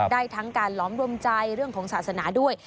ได้ทั้งการล้อมรวมใจเรื่องของศาสนาด้วย